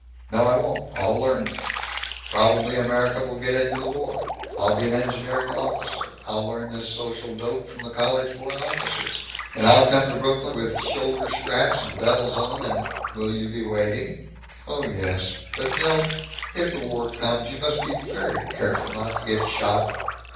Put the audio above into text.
"No. I won't. I'll learn. Probably America will get into the war. I'll be an engineering officer. I'll learn this social dope from the college boy officers. And I'll come to Brooklyn with shoulder straps and bells on and Will you be waiting?" "Oh yes But, Milt! If the war comes, you must be very careful not to get shot!"